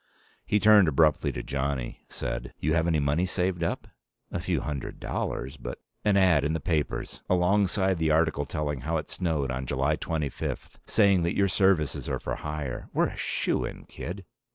He turned abruptly to Johnny, said, "You have any money saved up?" "A few hundred dollars, but " "An ad in the papers. Alongside the article telling how it snowed on July twenty fifth. Saying that your services are for hire. We're a shoo in, kid!"